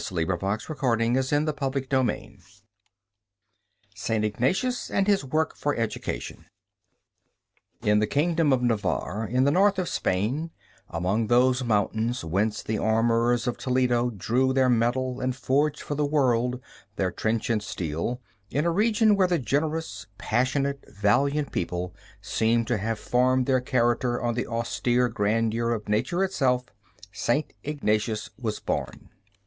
Master Natalis can tell the rest. APPENDIX ST. IGNATIUS AND HIS WORK FOR EDUCATION In the kingdom of Navarre, in the north of Spain, among those mountains whence the armorers of Toledo drew their metal and forged for the world their trenchant steel, in a region where the generous, passionate, valiant people seemed to have formed their character on the austere grandeur of nature itself, St. Ignatius was born.